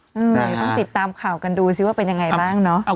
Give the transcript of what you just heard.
เดี๋ยวต้องติดตามข่าวกันดูสิว่าเป็นยังไงบ้างเนอะ